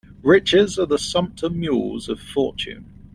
Riches are the sumpter mules of fortune.